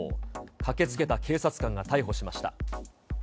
駆けつけた警察官が逮捕しました。